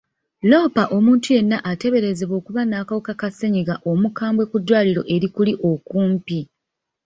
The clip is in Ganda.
Loopa omuntu yenna ateberezebwa okuba n'akawuka ka ssenyiga omukambwe ku ddwaliro eri kuli okumpi.